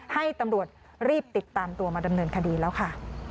ให้ตำรวจรีบติดตามตัวมาดำเนินคดีแล้วค่ะ